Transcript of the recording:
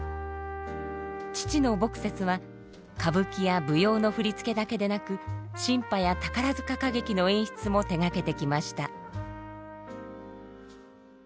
父の墨雪は歌舞伎や舞踊の振付だけでなく新派や宝塚歌劇の演出も手がけてきました。